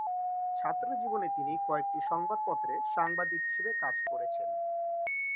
ছাত্রজীবনে তিনি কয়েকটি সংবাদপত্রে সাংবাদিক হিসেবে কাজ করেছেন।